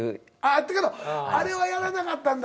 あったけどあれはやらなかったんだ。